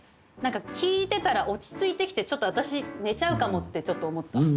何か聴いてたら落ち着いてきてちょっと私寝ちゃうかもってちょっと思った。